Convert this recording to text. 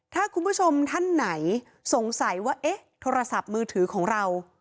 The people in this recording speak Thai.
ถ้าคุณผู้ชมท่านไหนสงสัยว่าเอ๊ะโทรศัพท์มือถือของเรา